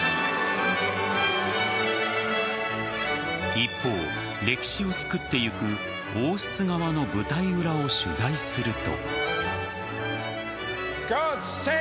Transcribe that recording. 一方、歴史をつくってゆく王室側の舞台裏を取材すると。